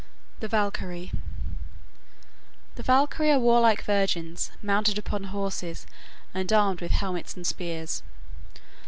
THE VALKYRIE The Valkyrie are warlike virgins, mounted upon horses and armed with helmets and spears.